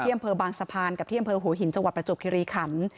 ที่อำเภอบางสะพานกับที่อำเภอหัวหินจประจบทิริคัณ